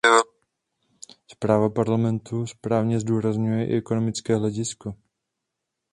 Zpráva Parlamentu správně zdůrazňuje i ekonomické hledisko.